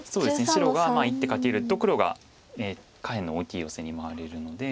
白が１手かけると黒が下辺の大きいヨセに回れるので。